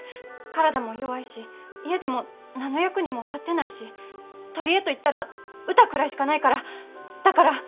体も弱いし家でも何の役にも立ってないし取り柄と言ったら歌くらいしかないからだから。